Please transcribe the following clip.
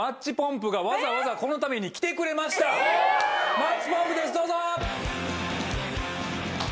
マッチポンプですどうぞ！